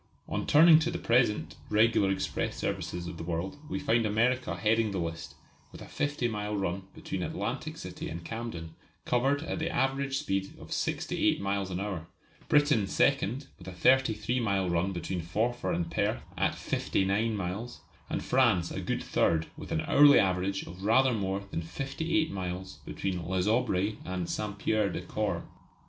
On turning to the present regular express services of the world we find America heading the list with a 50 mile run between Atlantic City and Camden, covered at the average speed of 68 miles an hour; Britain second with a 33 mile run between Forfar and Perth at 59 miles; and France a good third with an hourly average of rather more than 58 miles between Les Aubrais and S. Pierre des Corps.